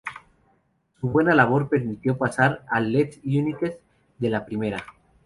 Su buena labor le permitió pasar a Leeds United, de la Primera.